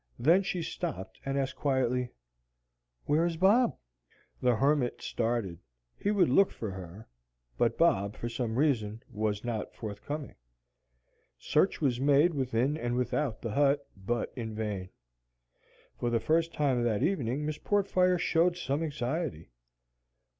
Then she stopped and asked quietly, "Where is Bob?" The hermit started. He would look for her. But Bob, for some reason, was not forthcoming. Search was made within and without the hut, but in vain. For the first time that evening Miss Portfire showed some anxiety.